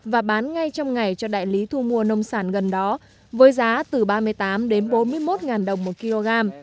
và bán ngay trong ngày cho đại lý thu mua nông sản gần đó với giá từ ba mươi tám đến bốn mươi một đồng một kg